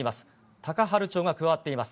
高原町が加わっています。